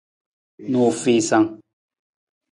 Nuufiisang.